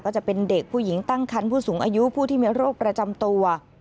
ก็จะเป็นเด็กผู้หญิงตั้งคันผู้สูงอายุผู้ที่มีโรคประจำตัว